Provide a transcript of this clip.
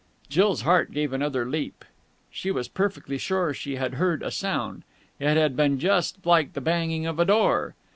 _ Jill's heart gave another leap. She was perfectly sure she had heard a sound. It had been just like the banging of a door.